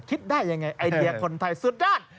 คิดได้ยังไงไอเดียคนไทยสุดด้าน